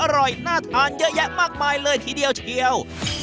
อร่อยน่าทานเยอะแยะมากมายเลยทีเดียวเชียว